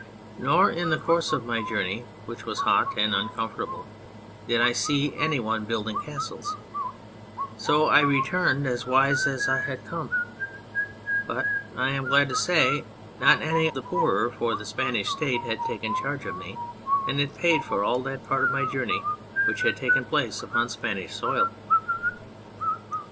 Nor in the course of my journey, which was hot and un comfortable, did I see any one building castles, so I returned as wise as I had come, but, I am glad to say, not any the poorer, for the Spanish State had taken charge of me and had paid for all that part of my journey which had taken place upon Spanish soil.